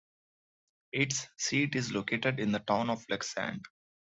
Its seat is located in the town of Leksand.